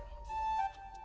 tapi bapak jangan khawatir